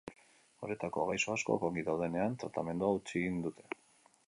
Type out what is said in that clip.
Horietako gaixo askok ongi daudenean tratamendua utzi egiten dute.